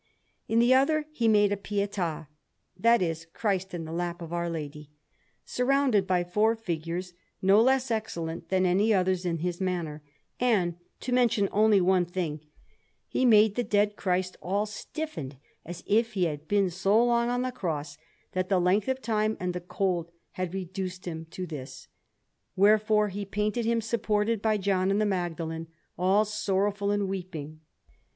In the other he made a Pietà that is, Christ in the lap of Our Lady surrounded by four figures no less excellent than any others in his manner; and, to mention only one thing, he made the Dead Christ all stiffened, as if He had been so long on the Cross that the length of time and the cold had reduced Him to this; wherefore he painted Him supported by John and the Magdalene, all sorrowful and weeping.